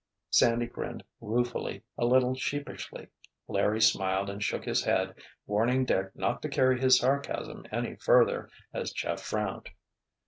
Sandy grinned ruefully, a little sheepishly. Larry smiled and shook his head, warning Dick not to carry his sarcasm any further, as Jeff frowned.